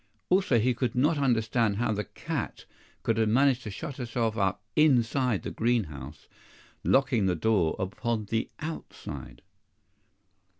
Also he could not understand how the cat could have managed to shut herself up INSIDE the green house, locking the door upon the OUTSIDE.